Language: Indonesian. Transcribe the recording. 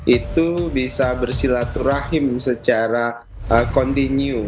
itu bisa bersilaturahim secara kontinu